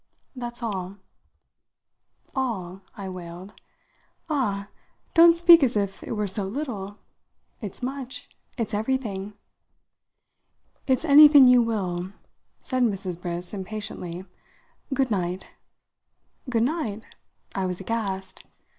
"That's all." "All?" I wailed. "Ah, don't speak as if it were so little. It's much. It's everything." "It's anything you will!" said Mrs. Briss impatiently. "Good night." "Good night?" I was aghast.